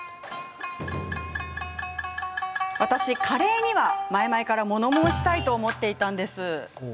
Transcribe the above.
カレーには、前々から物申したいと思ってたんです、私。